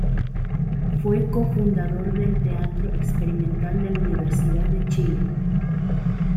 Fue co-fundador del teatro experimental de la Universidad de Chile.